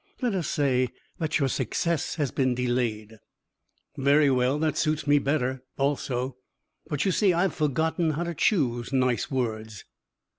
Let us say that your success has been delayed." "Very well. That suits me better, also, but you see I've forgotten how to choose nice words."